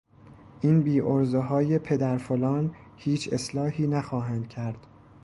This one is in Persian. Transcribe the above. این بیعرضههای پدر -- فلان -- هیچ اصلاحی نخواهند کرد.